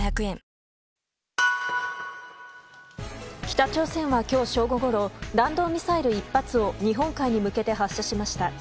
北朝鮮は今日正午ごろ弾道ミサイル１発を日本海に向けて発射しました。